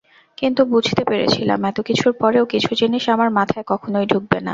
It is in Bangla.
কিন্তু বুঝতে পেরেছিলাম এতকিছুর পরেও কিছু জিনিস আমার মাথায় কখনোই ঢুকবে না।